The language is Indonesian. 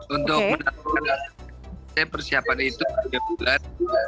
untuk mendapatkan persiapan itu tiga bulan